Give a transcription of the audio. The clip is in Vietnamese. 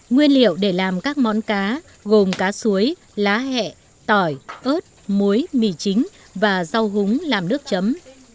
nguyên liệu để làm các món cá gồm cá suối lá hẹ tỏi ớt muối mì chính và rau húng làm nước chấm